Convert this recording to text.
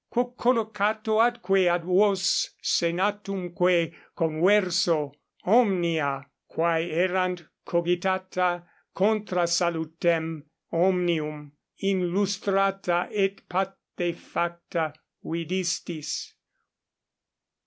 quo collocato atque ad vos senatumque converso, omnia, quae erant cogitata contra salutem omnium, inlustrata et patefacta vidistis.